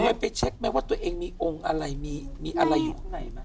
เคยไปเช็คไหมว่าตัวเองมีองค์อะไรมีอะไรอยู่ข้างในไหม